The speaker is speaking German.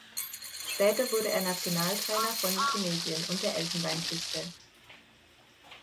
Später wurde er Nationaltrainer von Tunesien und der Elfenbeinküste.